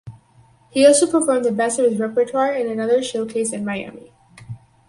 He also performed the best of his repertoire in another showcase in Miami.